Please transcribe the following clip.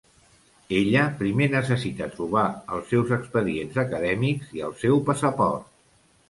Ella primer necessita trobar els seus expedients acadèmics i el seu passaport.